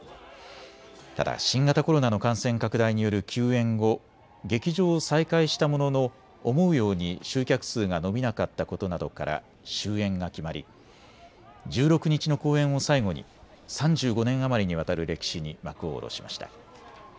ただ新型コロナの感染拡大による休演後、劇場を再開したものの思うように集客数が伸びなかったことなどから終演が決まり１６日の公演を最後に３５年余りにわたる歴史に幕を下ろしました。